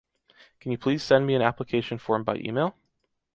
Can you please send me an application form by e-mail?